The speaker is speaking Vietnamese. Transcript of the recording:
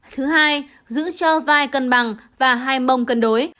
thứ hai giữ cho vai cân bằng và hai mông cân đối